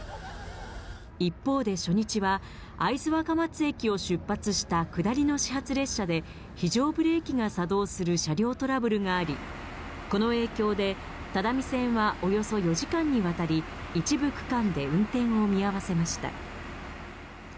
一方で、初日は、会津若松駅を出発した下りの始発列車で、非常ブレーキが作動する車両トラブルがあり、この影響で只見線はおよそ４時間にわたり、一部区間で運転を見合わせました。